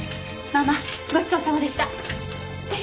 ママごちそうさまでした。え？